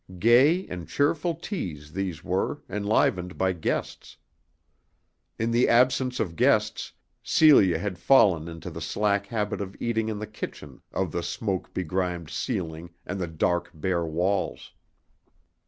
Gay and cheerful teas these were, enlivened by guests. In the absence of guests, Celia had fallen into the slack habit of eating in the kitchen of the smoke begrimed ceiling and the dark bare walls.